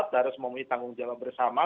dari semua memiliki tanggung jawab bersama